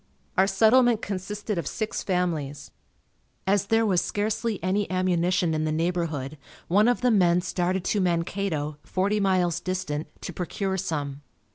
Our settlement consisted of six families. As there was scarcely any ammunition in the neighborhood one of the men started to Mankato, forty miles distant, to procure some.